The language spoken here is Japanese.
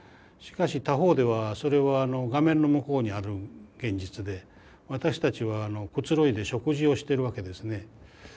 しかし他方ではそれは画面の向こうにある現実で私たちはくつろいで食事をしてるわけですね。